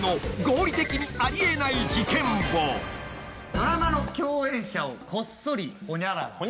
ドラマの共演者をこっそりほにゃらら。